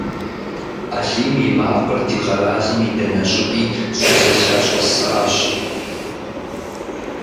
Алим и макъыр ди къэралым и дэнэ щӀыпӀи щызэлъащӀэсащ.